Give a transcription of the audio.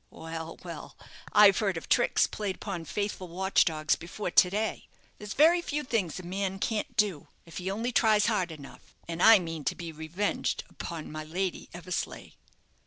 Well, well, I've heard of tricks played upon faithful watch dogs before to day. There's very few things a man can't do, if he only tries hard enough; and I mean to be revenged upon my Lady Eversleigh!"